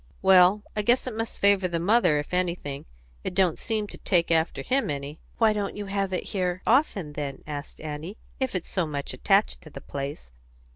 "Well, I guess it must favour the mother, if anything. It don't seem to take after him any." "Why don't you have it here often, then," asked Annie, "if it's so much attached to the place?"